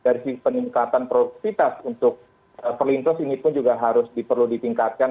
selain itu juga dari peningkatan produktivitas untuk perlintos ini pun juga harus diperlu ditingkatkan